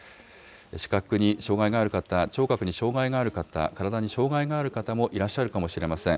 視覚に障害がある方、聴覚に障害のある方、体に障害がある方もいらっしゃるかもしれません。